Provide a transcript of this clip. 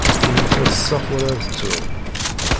Menyif ad ḍseɣ wala ad ttruɣ.